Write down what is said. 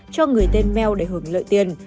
cho người tên mel để hưởng lợi tiền